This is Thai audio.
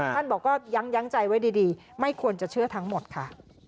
ท่านบอกว่ายั้งใจไว้ดีไม่ควรจะเชื่อทั้งหมดค่ะ